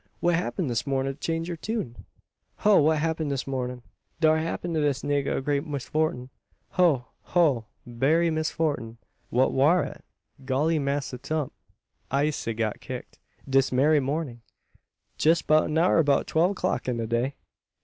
What happened this mornin' to change yur tune?" "Ho! what happen dis mornin'? Dar happen to dis nigga a great misfortin'. Ho! ho! berry great misfortin'." "What war it?" "Golly, Massa Tump, I'se got kicked dis berry mornin', jes 'bout an hour arter twelve o'clock in de day."